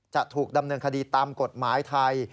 จะถูกดำเนินคดีตามกฎหมายไทย